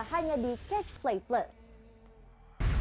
hanya di catch play plus